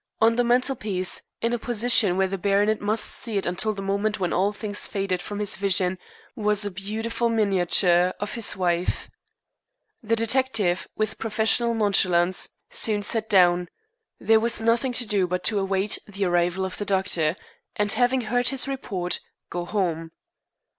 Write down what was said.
On the mantelpiece in a position where the baronet must see it until the moment when all things faded from his vision was a beautiful miniature of his wife. The detective, with professional nonchalance, soon sat down. There was nothing to do but await the arrival of the doctor, and, having heard his report, go home.